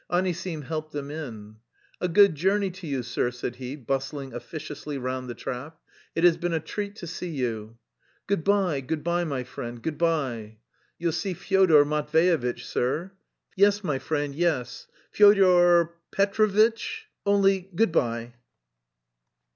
Anisim helped them in. "A good journey to you, sir," said he, bustling officiously round the trap, "it has been a treat to see you." "Good bye, good bye, my friend, good bye." "You'll see Fyodor Matveyevitch, sir..." "Yes, my friend, yes... Fyodor Petrovitch... only good bye."